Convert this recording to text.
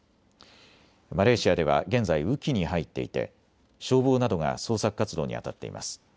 マレーシアでは現在、雨季に入っていて消防などが捜索活動にあたっています。